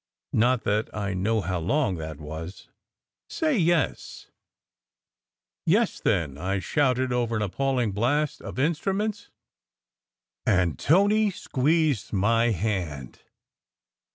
Not that I know how long that was. Say yes " "Yes, then!" I shouted over an appalling blast of instruments. And Tony squeezed my hand.